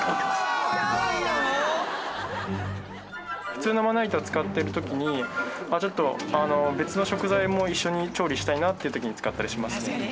普通のまな板を使ってる時にちょっと別の食材も一緒に調理したいなという時に使ったりしますね。